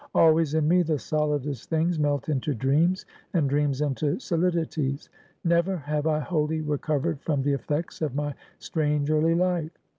Always in me, the solidest things melt into dreams, and dreams into solidities. Never have I wholly recovered from the effects of my strange early life.